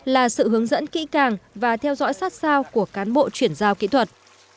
là sự hướng dẫn kỹ càng và theo dõi sát sao của cán bộ chuyển giao kỹ thuật